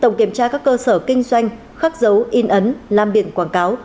tổng kiểm tra các cơ sở kinh doanh khắc dấu in ấn làm biển quảng cáo